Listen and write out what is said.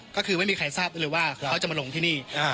ก็คือไม่มีใครทราบเลยว่าเขาจะมาลงที่นี่